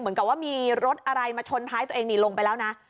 เหมือนกับว่ามีรถอะไรมาชนท้ายตัวเองนี่ลงไปแล้วนะ